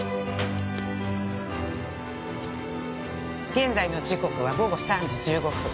現在の時刻は午後３時１５分。